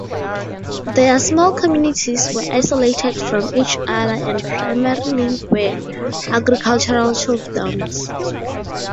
Their small communities were isolated from each other and primarily were agricultural chiefdoms.